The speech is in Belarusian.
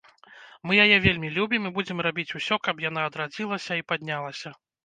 Мы яе вельмі любім і будзем рабіць усё, каб яна адрадзілася і паднялася.